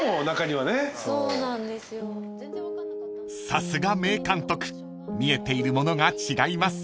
［さすが名監督見えているものが違います］